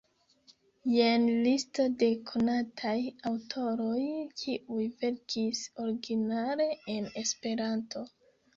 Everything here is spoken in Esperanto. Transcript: Jen listo de konataj aŭtoroj, kiuj verkis originale en Esperanto.